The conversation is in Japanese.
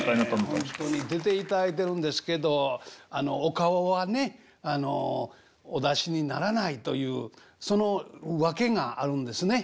本当に出ていただいてるんですけどお顔はねお出しにならないというその訳があるんですね。